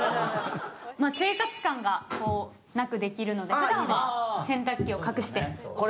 生活感がなくできるので、ふだんは洗濯機を隠して。